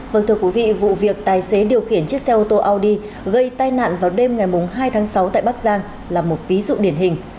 vâng thưa quý vị vụ việc tài xế điều khiển chiếc xe ô tô audy gây tai nạn vào đêm ngày hai tháng sáu tại bắc giang là một ví dụ điển hình